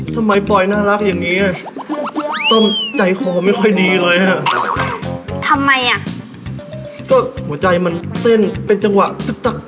ต้อมกินอันนี้สิน่ากินน้า